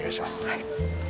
はい。